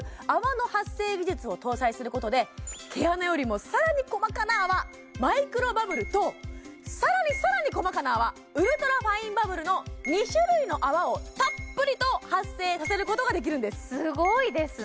泡の発生技術を搭載することで毛穴よりもさらに細かな泡マイクロバブルとさらにさらに細かな泡ウルトラファインバブルの２種類の泡をたっぷりと発生させることができるんですすごいですね